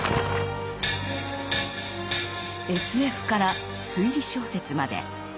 ＳＦから推理小説まで。